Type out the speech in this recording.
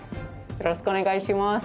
よろしくお願いします